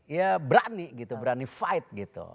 ya berani gitu berani fight gitu